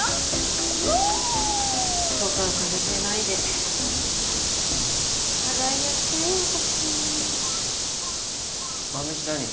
フオッとか浮かれてないで課題やって私晩飯何？